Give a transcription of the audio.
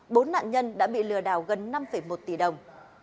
bốn nạn nhân đã bị lừa đảo gần năm một tỷ đồng